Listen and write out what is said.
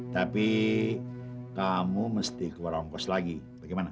tapi kamu mesti ke warung kos lagi bagaimana